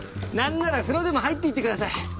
なんなら風呂でも入っていってください。